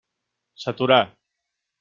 S'aturà.